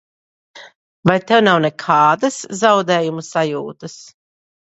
Vai tev nav nekādas zaudējuma sajūtas?